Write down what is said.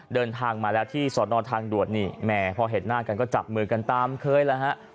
เดินทางมาแล้วที่สอนอทางด่วนนี่แหมพอเห็นหน้ากันก็จับมือกันตามเคยแล้วฮะ